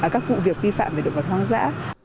các vụ việc vi phạm về động vật hoang dã